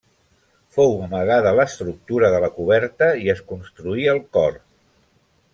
Fou amagada l'estructura de la coberta i es construí el cor.